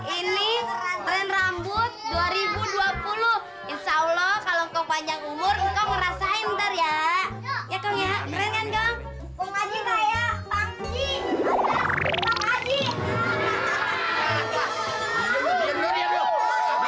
ini rambut dua ribu dua puluh insyaallah kalau kau panjang umur ngerasain ya ya ya